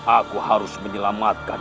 aku harus menyelamatkan